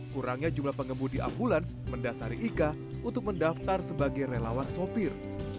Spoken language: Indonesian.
kurangnya jumlah pengemudi ambulans mendasari ika untuk mendaftar sebagai relawan sopir